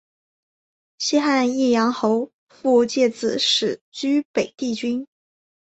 西汉义阳侯傅介子始居北地郡。